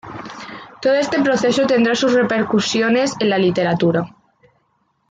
Todo este proceso tendrá sus repercusiones en la literatura.